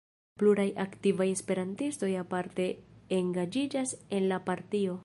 Pluraj aktivaj esperantistoj aparte engaĝiĝas en la partio.